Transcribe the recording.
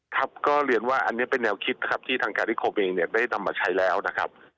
ครับก็เรียนว่าอันนี้เป็นแนวคิดนะครับที่ทางการนิคมเองเนี่ยได้นำมาใช้แล้วนะครับ